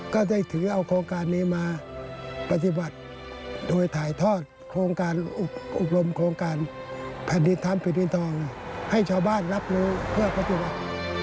ก็ได้ถือเอาโครงการนี้มาปฏิบัติโดยถ่ายทอดโครงการอบรมโครงการแผ่นดินทำแผ่นดินทองให้ชาวบ้านรับรู้เพื่อปฏิบัติ